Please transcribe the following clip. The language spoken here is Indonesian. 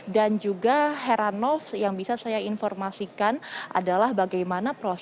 dan juga heranov yang bisa saya informasikan